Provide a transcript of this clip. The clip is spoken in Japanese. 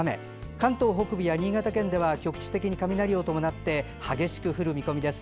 関東北部や新潟県では、局地的に雷を伴って激しく降る見込みです。